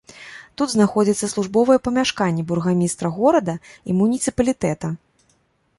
Тут знаходзяцца службовыя памяшканні бургамістра горада і муніцыпалітэта.